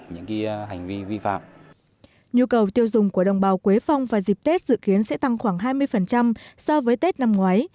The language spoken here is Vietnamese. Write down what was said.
nhu cầu tiêu dùng của đồng bào quế phong vào dịp tết dự kiến sẽ tăng khoảng hai mươi so với tết năm ngoái